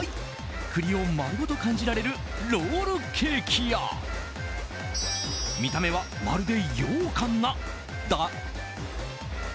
栗を丸ごと感じられるロールケーキや見た目は、まるでようかん？な大人栗スイーツ。